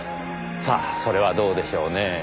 さあそれはどうでしょうねぇ。